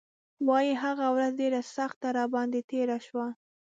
وايي هغه ورځ ډېره سخته راباندې تېره شوه.